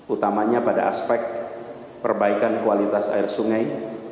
utamanya pada aspek perbaikan kualitas air sungai